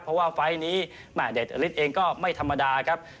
เพราะว่าไฟล์นี้แม่เดชอลิสเองก็ไม่ธรรมดาครับ